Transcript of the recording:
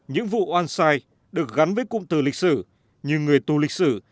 những vụ oan sai được gắn với cụm từ lịch sử như người tù lịch sử